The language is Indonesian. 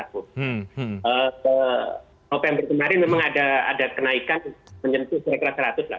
november kemarin memang ada kenaikan menyentuh kira kira seratus lah